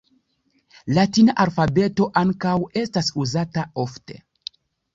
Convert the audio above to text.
Latina alfabeto ankaŭ estas uzata ofte.